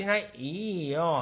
「いいよ。